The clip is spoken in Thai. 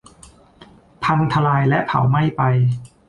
พังทลายและเผาไหม้ไป